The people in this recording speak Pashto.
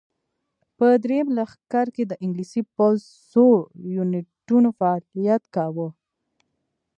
په درېیم لښکر کې د انګلیسي پوځ څو یونیټونو فعالیت کاوه.